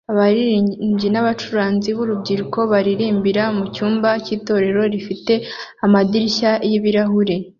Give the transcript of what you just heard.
Abaririmbyi n'abacuranzi b'urubyiruko baririmbira mu cyumba cy'itorero rifite amadirishya y'ibirahure